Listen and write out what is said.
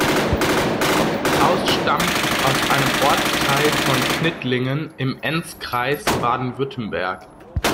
Krauß stammt aus einem Ortsteil von Knittlingen im Enzkreis, Baden-Württemberg.